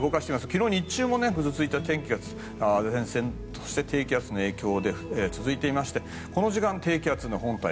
昨日日中もぐずついた天気が低気圧の影響で続いていましてこの時間、低気圧の本体